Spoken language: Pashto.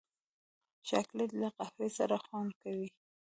چاکلېټ له قهوې سره خوند کوي.